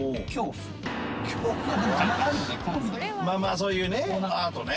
まあまあそういうねアートね。